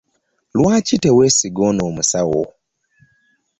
Lwaki tewesiga ono omusawo?